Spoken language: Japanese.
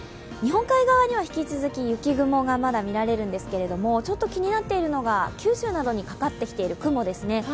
日本海側には引き続き、雪雲がまだ見られるんですけれどもちょっと気になっているのが九州などにかかってきている雲ですね。